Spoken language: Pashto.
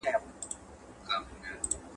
خړې اوبه د بېلتون نښه ګڼل کېږي.